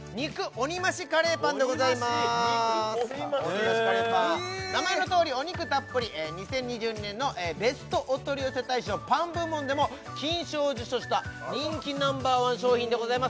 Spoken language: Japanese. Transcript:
オニマシカレーパン名前のとおりお肉たっぷり２０２２年のベストお取り寄せ大賞パン部門でも金賞を受賞した人気Ｎｏ．１商品でございます